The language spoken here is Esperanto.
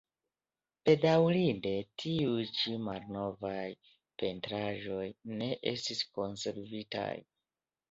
Bedaŭrinde tiuj ĉi malnovaj pentraĵoj ne estis konservitaj.